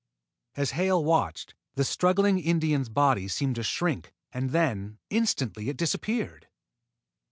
As Hale watched, the struggling Indian's body seemed to shrink, and then, instantly, it disappeared.